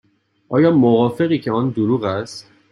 آیا موافقی که آن دروغ است؟